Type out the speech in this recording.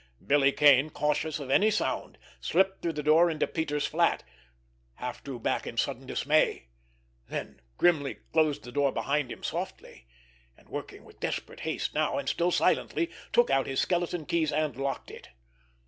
Billy Kane, cautious of any sound, slipped through the door into Peters' flat, half drew back in sudden dismay—then grimly closed the door behind him softly, and, working with desperate haste now, and still silently, took out his skeleton keys and locked it.